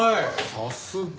さすが。